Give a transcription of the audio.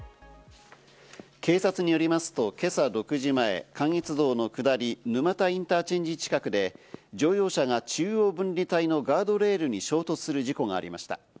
警察によりますと、今朝６時前、関越道の下り、沼田インターチェンジ近くで乗用車が中央分離帯のガードレールに衝突する事故がありました。